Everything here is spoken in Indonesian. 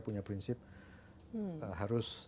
punya prinsip harus